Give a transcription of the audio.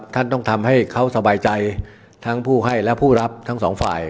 ท่านต้องทำให้เขาสบายใจทั้งผู้ให้และผู้รับทั้งสองฝ่าย